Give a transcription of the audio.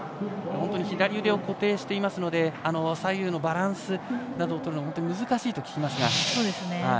本当に左腕を固定していますので左右のバランスをとるのが本当に難しいと聞きます。